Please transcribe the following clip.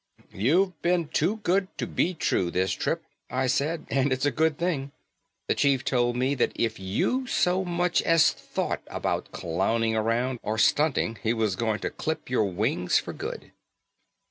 "You've been too good to be true this trip," I said, "and it's a good thing. The chief told me that if you so much as thought about clowning around or stunting he was going to clip your wings for good."